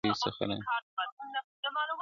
بيا چي يخ سمال پټيو څخه راسي.